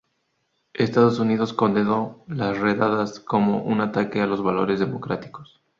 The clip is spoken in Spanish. Estados Unidos condenó las redadas como un ataque a los valores democráticos.